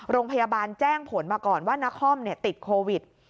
โรงพยาบาลแจ้งผลมาก่อนว่านครติดโควิด